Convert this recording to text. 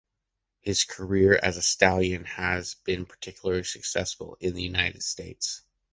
His career as a stallion has been particularly successful in the United States.